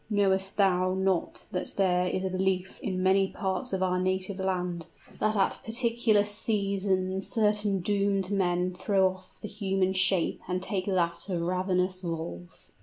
"Knowest thou not that there is a belief in many parts of our native land that at particular seasons certain doomed men throw off the human shape and take that of ravenous wolves?"